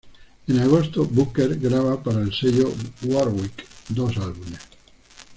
En agosto, Booker graba para el sello Warwick dos álbumes.